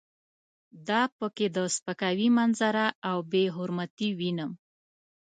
دا په کې د سپکاوي منظره او بې حرمتي وینم.